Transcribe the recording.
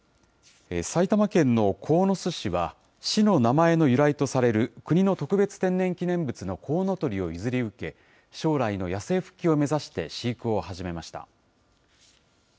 埼玉県の鴻巣市は、市の名前の由来とされる国の特別天然記念物のコウノトリを譲り受け、将来の野生復帰を目指して飼育を始めました。